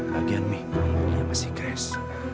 bagian mi dia masih kres